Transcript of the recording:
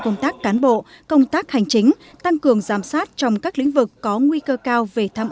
công tác cán bộ công tác hành chính tăng cường giám sát trong các lĩnh vực có nguy cơ cao về tham